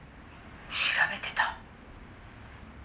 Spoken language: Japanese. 「調べてた？」